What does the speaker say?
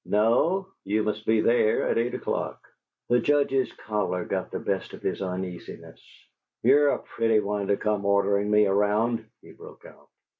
"No. You must be there at eight o'clock." The Judge's choler got the better of his uneasiness. "You're a pretty one to come ordering me around!" he broke out.